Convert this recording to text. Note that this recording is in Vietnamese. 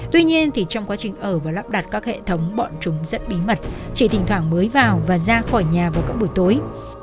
tuy nhiên thì trong quá trình ở và lắp đặt các hệ thống bọn chúng rất bí mật chỉ thỉnh thoảng mới vào và ra khỏi nhà vào các buổi tối